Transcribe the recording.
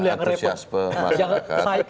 antusiasme masyarakat yang repot